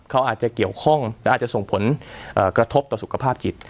เขาอาจจะเกี่ยวข้องและอาจจะส่งผลกระทบต่อสุขภาพจิต